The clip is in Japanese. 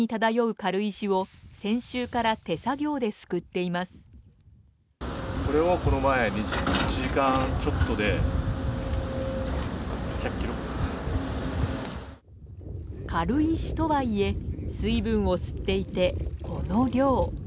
軽石とはいえ水分を吸っていてこの量。